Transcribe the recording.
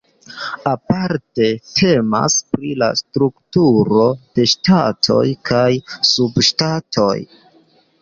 Aparte temas pri la strukturo de ŝtatoj kaj subŝtatoj.